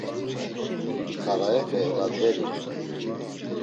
Xarayepe eladverirt̆u.